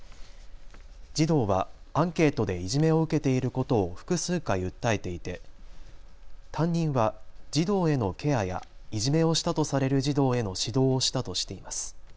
児童はアンケートでいじめを受けていることを複数回、訴えていて担任は児童へのケアやいじめをしたとされる児童への指導をしたとしています。